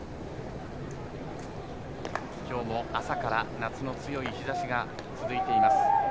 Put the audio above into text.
きょうも朝から夏の強い日ざしが続いています。